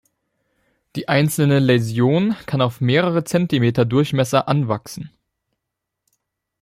Die einzelne Läsion kann auf mehrere Zentimeter Durchmesser anwachsen.